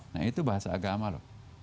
nah itu bahasa agama loh